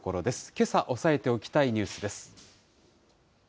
けさ押さえておきたいニュースです。